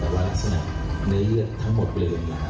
แต่ว่ารักษณะเนื้อเยื่อทั้งหมดเป็นอื่นแล้ว